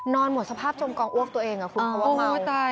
นอนหมดสภาพจมกองอวกตัวเองคุณพอเมา